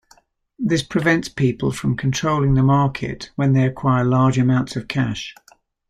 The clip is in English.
This prevents people from controlling the market when they acquire large amounts of cash.